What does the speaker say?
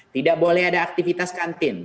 tidak boleh ada aktivitas kantin